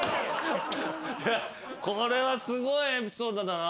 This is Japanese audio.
これはすごいエピソードだな。